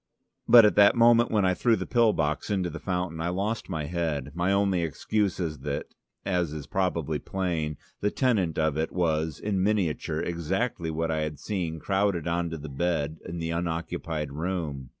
But at the moment when I threw the pill box into the fountain, I lost my head: my only excuse is that, as is probably plain, the tenant of it was, in miniature, exactly what I had seen crowded on to the bed in the unoccupied room.